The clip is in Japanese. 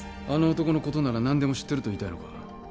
あの男のことなら何でも知ってると言いたいのか？